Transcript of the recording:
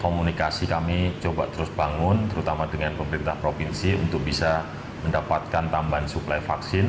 komunikasi kami coba terus bangun terutama dengan pemerintah provinsi untuk bisa mendapatkan tambahan suplai vaksin